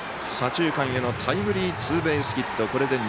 左中間へのタイムリーツーベースヒット。